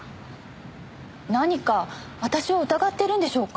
何か私を疑っているんでしょうか？